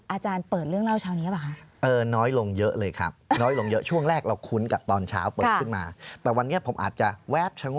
อาจารย์ดูเรื่องเล่าเช้านี้กับก่อน